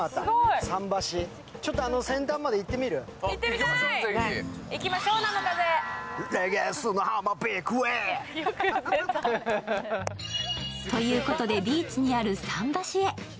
桟橋、先端まで行ってみる？ということでビーチにある桟橋へ。